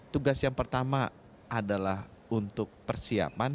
tugas yang pertama adalah untuk persiapan